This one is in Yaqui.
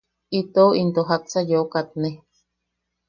Itou into jaksa yeu kaatne.